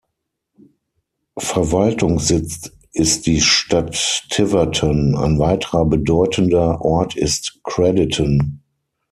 Verwaltungssitz ist die Stadt Tiverton; ein weiterer bedeutender Ort ist Crediton.